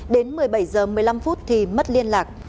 đến một mươi bảy h một mươi năm phút thì mất liên lạc